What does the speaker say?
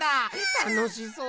たのしそう。